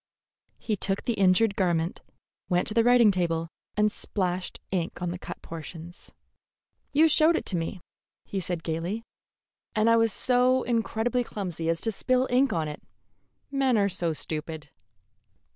He took the injured garment, went to the writing table, and splashed ink on the cut portions. "You showed it to me," he said gayly, "and I was so incredibly clumsy as to spill ink on it. Men are so stupid."